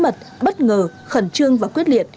bí mật bất ngờ khẩn trương và quyết liệt